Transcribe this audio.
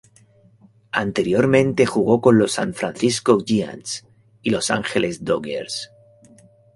Anteriormente jugó con los San Francisco Giants y Los Angeles Dodgers.